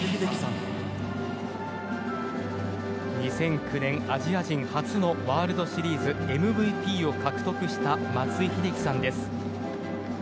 ２００９年、アジア人初のワールドシリーズＭＶＰを獲得した松井秀喜さんです。